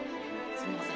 すみません。